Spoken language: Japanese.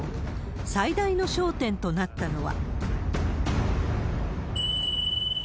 最大の焦点となったのは。